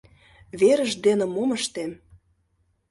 — Верышт дене мом ыштем?..